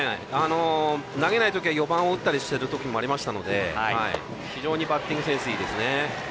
投げない時は４番を打ったりしている時もあったので非常にバッティングセンスいいですね。